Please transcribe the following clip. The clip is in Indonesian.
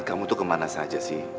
kamu tuh kemana saja sih